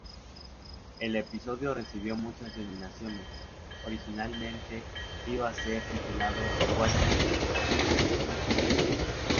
El episodio recibió muchas denominaciones: originalmente iba a ser titulado ""Washington Redskins Reality.